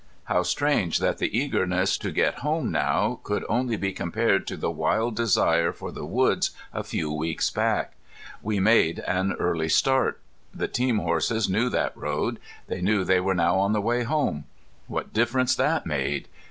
How strange that the eagerness to get home now could only be compared to the wild desire for the woods a few weeks back! We made an early start. The team horses knew that road. They knew they were now on the way home. What difference that made!